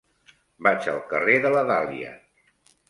Vaig al carrer de la Dàlia.